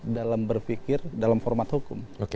dalam berpikir dalam format hukum